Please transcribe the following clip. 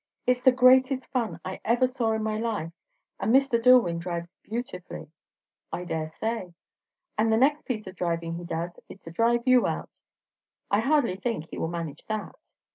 It's the greatest fun I ever saw in my life. And Mr. Dillwyn drives beautifully." "I dare say." "And the next piece of driving he does, is to drive you out." "I hardly think he will manage that."